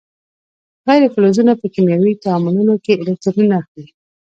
غیر فلزونه په کیمیاوي تعاملونو کې الکترونونه اخلي.